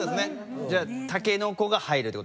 じゃあたけのこが入るって事？